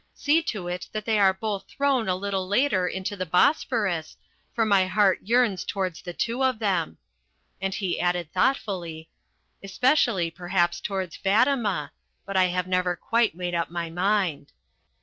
See to it that they are both thrown a little later into the Bosphorus, for my heart yearns towards the two of them," and he added thoughtfully, "especially perhaps towards Fatima, but I have never quite made up my mind."